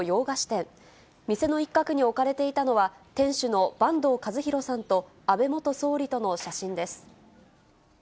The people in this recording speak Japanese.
店の一角に置かれていたのは、店主の坂東和洋さんと、安倍元総理との写真です。